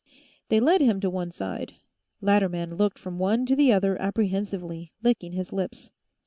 They led him to one side. Latterman looked from one to the other apprehensively, licking his lips.